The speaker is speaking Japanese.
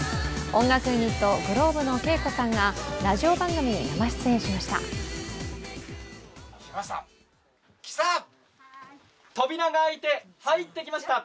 音楽ユニットｇｌｏｂｅのＫＥＩＫＯさんがラジオ番組に生出演しました。